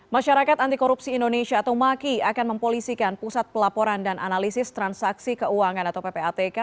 masyarakat anti korupsi indonesia atau maki akan mempolisikan pusat pelaporan dan analisis transaksi keuangan atau ppatk